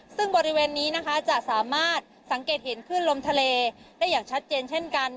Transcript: ซึ่งบริเวณนี้นะคะจะสามารถสังเกตเห็นคลื่นลมทะเลได้อย่างชัดเจนเช่นกัน